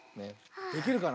できるかな？